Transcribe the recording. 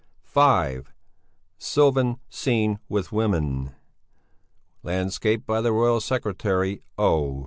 (5) 'Sylvan Scene with Women,' landscape by the royal secretary O.